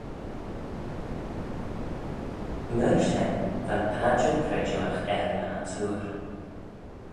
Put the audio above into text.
Myr shen, va'n padjer credjueagh er ny ansoor.